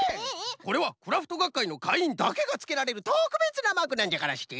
これはクラフトがっかいのかいいんだけがつけられるとくべつなマークなんじゃからして！